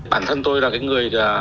bản thân tôi là người